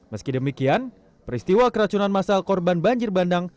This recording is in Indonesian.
meski demikian peristiwa keracunan masal korban banjir bandang